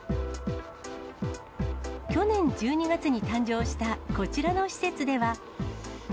去年１２月に誕生したこちらの施設では。